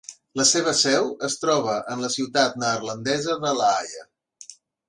La seva seu es troba en la ciutat neerlandesa de La Haia.